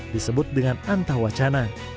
disebut dengan antah wacana